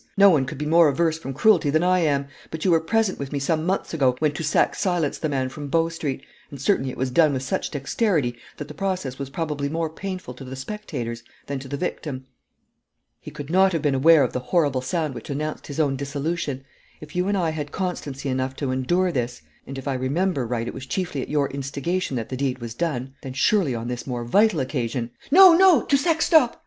No one could be more averse from cruelty than I am, but you were present with me some months ago when Toussac silenced the man from Bow Street, and certainly it was done with such dexterity that the process was probably more painful to the spectators than to the victim. He could not have been aware of the horrible sound which announced his own dissolution. If you and I had constancy enough to endure this and if I remember right it was chiefly at your instigation that the deed was done then surely on this more vital occasion ' 'No, no, Toussac, stop!'